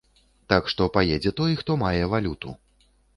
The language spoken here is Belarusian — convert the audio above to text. Так што паедзе той, хто мае валюту.